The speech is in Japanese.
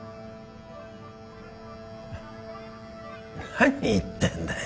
何言ってんだよ